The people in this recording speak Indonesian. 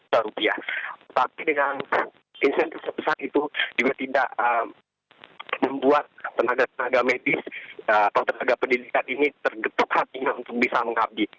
tapi dengan insentif sebesar itu juga tidak membuat tenaga tenaga medis atau tenaga pendidikan ini tergetuk hatinya untuk bisa mengabdi